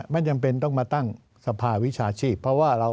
ไม่น่าเป็นต้องมาตั้งสมภาพวิชาชีพ